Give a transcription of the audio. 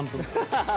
ハハハハ。